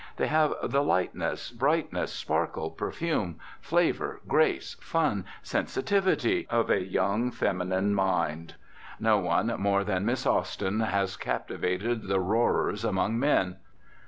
They have the lightness, brightness, sparkle, perfume, flavour, grace, fun, sensitivity of a young feminine mind. No one more than Miss Austen has captivated the roarers among men.